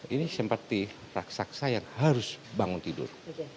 ini seperti raksasa yang harus bangun tidur